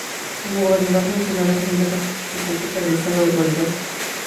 Como gobernador sancionó la segunda constitución política del estado del Bolívar.